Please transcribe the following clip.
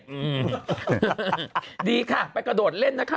อืมดีค่ะไปกระโดดเล่นนะคะ